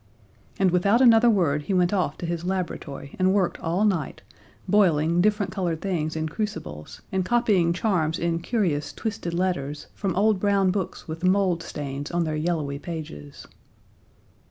And without another word he went off to his laboratory and worked all night, boiling different colored things in crucibles, and copying charms in curious twisted letters from old brown books with mold stains on their yellowy pages.